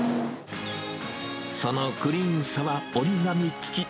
そのクリーンさは折り紙付き。